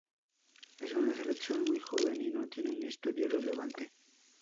Es una selección muy joven y no tiene una historia relevante.